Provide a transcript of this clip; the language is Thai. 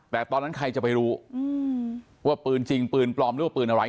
แต่ตอนนั้นใครจะไปรู้ว่าปืนจริงปืนปลอมหรือว่าปืนอะไร